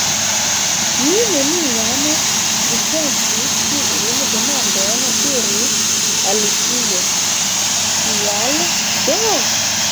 "Mi neniam pripensis tiun demandon," diris Alicio. "Kial do?"